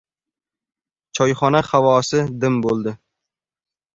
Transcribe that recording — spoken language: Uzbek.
Choyxona havosi dim bo‘ldi.